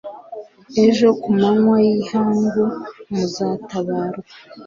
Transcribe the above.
ejo ku manywa y'ihangu muzatabarwa